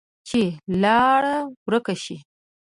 چې لار ورکه شي،